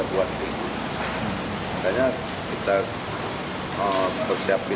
karena enak renyah dan mungkin sehat ya